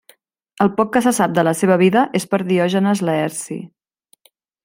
El poc que se sap de la seva vida és per Diògenes Laerci.